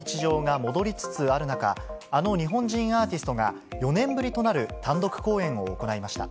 アメリカでは、コロナ前の日常が戻りつつある中、あの日本人アーティストが、４年ぶりとなる単独公演を行いました。